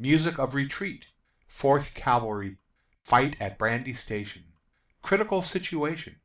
Music of Retreat. Fourth Cavalry Fight at Brandy Station. Critical Situation.